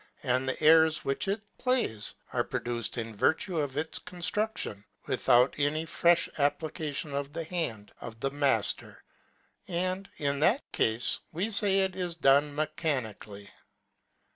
333 and the airs which it plays, are produced in virtue of it's construction, without any frefh application of the hand of the mailer, and, in that cafe, we fay it is done mechanically.